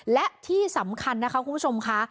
และที่สำคัญนะคะคุณผู้ชมค่ะ